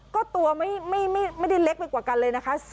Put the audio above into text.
ก็ตัวไม่ได้เล็กไปกว่ากันเลยนะคะ